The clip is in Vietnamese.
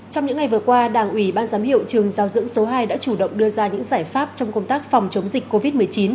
trong những ngày vừa qua đảng ủy ban giám hiệu trường giao dưỡng số hai đã chủ động đưa ra những giải pháp trong công tác phòng chống dịch covid một mươi chín